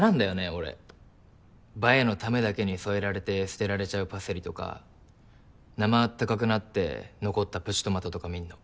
俺映えのためだけに添えられて捨てられちゃうパセリとかなま暖かくなって残ったプチトマトとか見んの。